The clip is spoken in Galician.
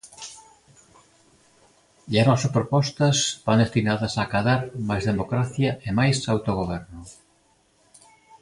E as nosas propostas van destinadas a acadar máis democracia e máis autogoberno.